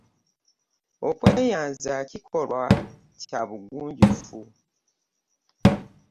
Okweyanza kikolwa kya bugunjufu.